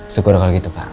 syukur kalau gitu pak